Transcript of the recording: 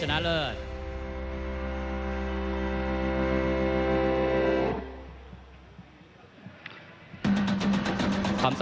ท่านแรกครับจันทรุ่ม